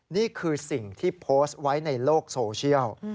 นี่คือสิ่งที่โพสต์ไว้ในโลกโซเชียล